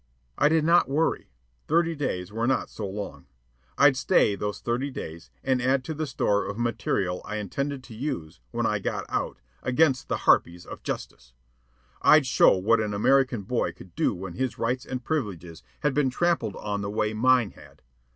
I did not worry. Thirty days were not so long. I'd stay those thirty days, and add to the store of material I intended to use, when I got out, against the harpies of justice. I'd show what an American boy could do when his rights and privileges had been trampled on the way mine had.